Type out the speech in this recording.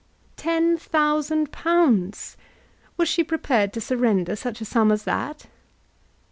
Ten thousand pounds! Was she prepared to surrender such a sum as that?